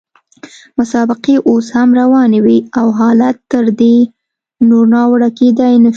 مسابقې اوس هم روانې وې او حالت تر دې نور ناوړه کېدای نه شو.